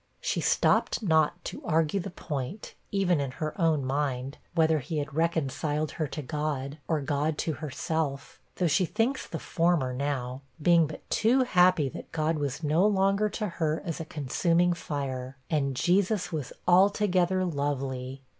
She stopped not to argue the point, even in her own mind, whether he had reconciled her to God, or God to herself, (though she thinks the former now,) being but too happy that God was no longer to her as a consuming fire, and Jesus was 'altogether lovely.'